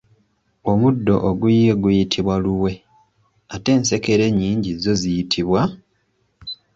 Omuddo oguyiye guyitibwa luwe, ate ensekere ennyingi zo ziyitibwa ?